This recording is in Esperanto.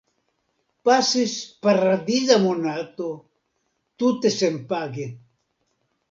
Pasis paradiza monato, tute senpage...